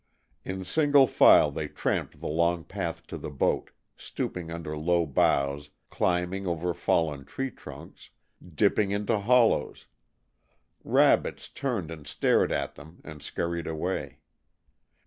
In single file they tramped the long path to the boat, stooping under low boughs, climbing over fallen tree trunks, dipping into hollows. Rabbits turned and stared at them and scurried away.